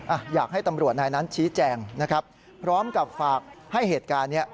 อ่ะอยากให้ตำรวจนายนั้นชี้แจงนะครับพร้อมกับฝากให้เหตุการณ์เนี้ย